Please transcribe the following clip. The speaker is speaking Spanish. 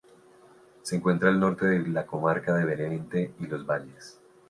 Se encuentra al norte de la comarca de Benavente y los Valles.